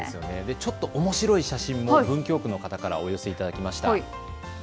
ちょっとおもしろい写真も文京区の方からお寄せいただきました。